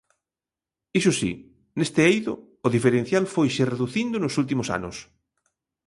Iso si, neste eido, o diferencial foise reducindo nos últimos anos.